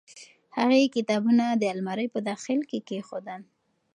هغې کتابونه د المارۍ په داخل کې کېښودل.